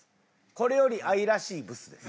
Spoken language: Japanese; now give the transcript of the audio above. これより愛らしいブスです。